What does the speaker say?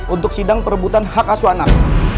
untuk sidang perebutan hak asu anak